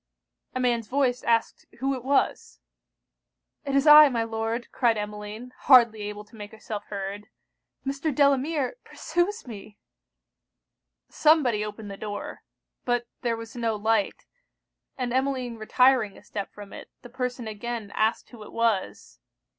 A man's voice asked who it was? 'It is I, my Lord,' cried Emmeline, hardly able to make herself heard. 'Mr. Delamere pursues me.' Somebody opened the door. But there was no light; and Emmeline retiring a step from it, the person again asked who it was?